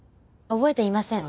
覚えていません。